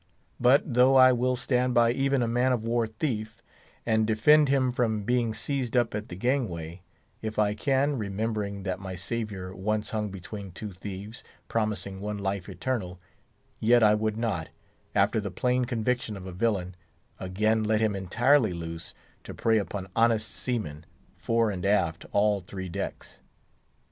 But though I will stand by even a man of war thief, and defend him from being seized up at the gangway, if I can—remembering that my Saviour once hung between two thieves, promising one life eternal—yet I would not, after the plain conviction of a villain, again let him entirely loose to prey upon honest seamen, fore and aft all three decks.